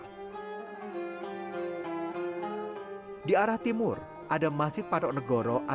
sementara jendela berjumlah sembilan sebagai simbolisasi jumlah wali songo penyebar islam di pulau jawa